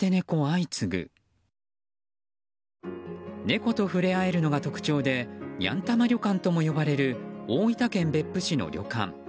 猫と触れ合えるのが特徴でにゃん玉旅館とも呼ばれる大分県別府市の旅館。